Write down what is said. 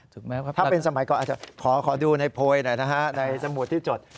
ถ้าเป็นสมัยก่อนอาจจะขอดูในโพยหน่อยนะฮะในสมุดที่จด